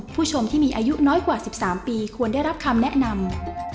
ผู้ชมที่มีอายุน้อยกว่า๑๓ปีควรได้รับคำแนะนำ